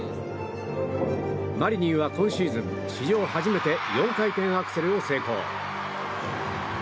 マリニンは今シーズン史上初めて４回転アクセルを成功。